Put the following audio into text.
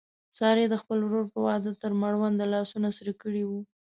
سارې د خپل ورور په واده تر مړونده لاسونه سره کړي و.